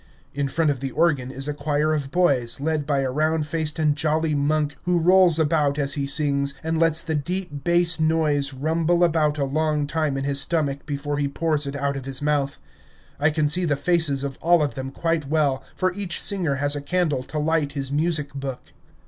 In front of the organ is a choir of boys, led by a round faced and jolly monk, who rolls about as he sings, and lets the deep bass noise rumble about a long time in his stomach before he pours it out of his mouth. I can see the faces of all of them quite well, for each singer has a candle to light his music book.